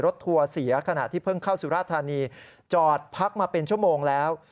ทัวร์เสียขณะที่เพิ่งเข้าสุราธานีจอดพักมาเป็นชั่วโมงแล้ว